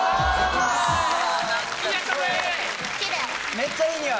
めっちゃいい匂い！